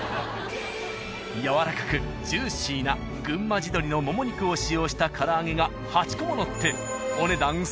やわらかくジューシーな群馬地鶏のモモ肉を使用した唐揚げが８個も載ってお値段１、０００円。